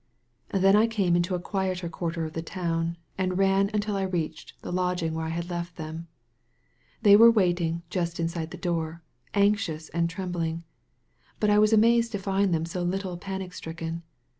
Then I came into a quieter quarter of the town, and ran until I reached the lodging where I had left them. They were waiting just inside the door, anxious and trembling. But I was amazed to find them so little panic stricken.